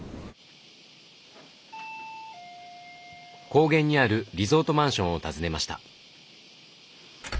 高原にあるリゾートマンションを訪ねました。